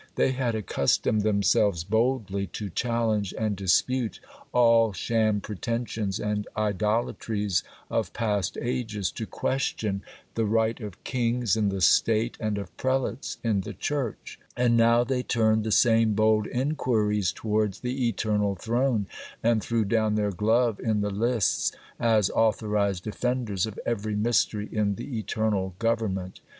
They had accustomed themselves boldly to challenge and dispute all sham pretensions and idolatries of past ages—to question the right of kings in the State and of prelates in the Church; and now they turned the same bold inquiries towards the Eternal Throne, and threw down their glove in the lists as authorized defenders of every mystery in the Eternal Government.